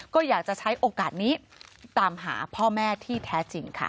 ก็อยากจะใช้โอกาสนี้ตามหาพ่อแม่ที่แท้จริงค่ะ